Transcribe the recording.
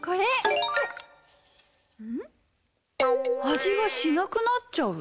「味がしなくなっちゃう」？